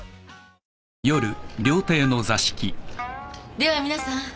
では皆さん。